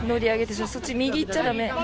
そっち、右行っちゃ駄目。